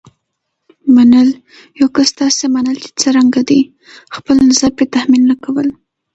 منل: یو کس داسې منل چې څرنګه دی. خپل نظر پرې تحمیل نه کول.